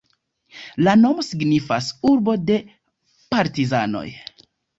La nomo signifas "urbo de partizanoj".